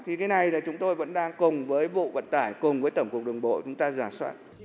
thì cái này là chúng tôi vẫn đang cùng với vụ vận tải cùng với tổng cục đường bộ chúng ta giả soát